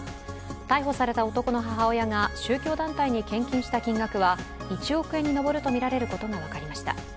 逮捕された男の母親が宗教団体に献金した金額は１億円に上るとみられることが分かりました。